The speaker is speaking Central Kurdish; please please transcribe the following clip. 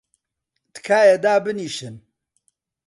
تکایە دابنیشن!